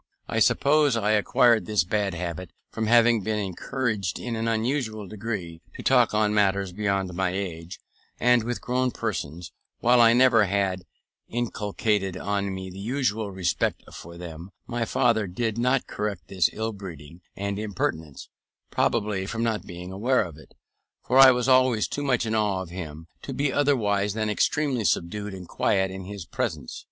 I suppose I acquired this bad habit from having been encouraged in an unusual degree to talk on matters beyond my age, and with grown persons, while I never had inculcated on me the usual respect for them. My father did not correct this ill breeding and impertinence, probably from not being aware of it, for I was always too much in awe of him to be otherwise than extremely subdued and quiet in his presence.